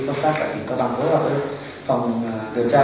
công tác tại phòng điều tra đoàn tội phạm và trật tự xã hội công an tỉnh cao bằng